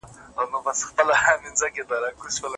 په نصیب یې ورغلی شین جنت وو